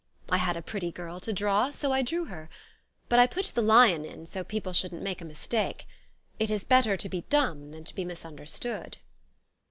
I had a pretty girl to draw: so I drew her. But I put the lion in, so people shouldn't make a mistake. 4 It is better to be dumb than to be misunder stood.'